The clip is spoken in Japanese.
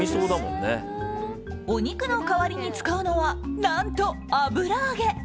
お肉の代わりに使うのは何と、油揚げ！